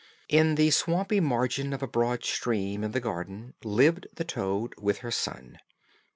In the swampy margin of a broad stream in the garden lived the toad, with her son.